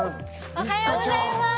おはようございます。